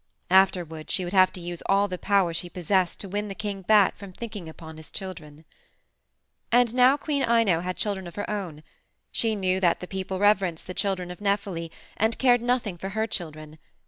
Afterward she would have to use all the power she possessed to win the king back from thinking upon his children. "And now Queen Ino had children of her own. She knew that the people reverenced the children of Nephele and cared nothing for her children.